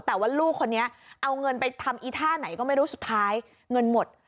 แต่ว่าลูกคนนี้เอาเงินไปทำอีท่าไหนก็ไม่รู้สุดท้ายเงินหมด